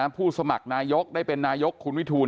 ผู้สมัครนายกได้เป็นนายกคุณวิทูล